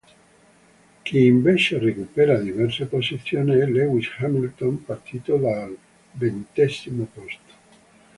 Chi invece recupera diverse posizioni è Lewis Hamilton, partito dal ventesimo posto.